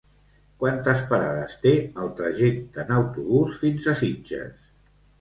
Quantes parades té el trajecte en autobús fins a Sitges?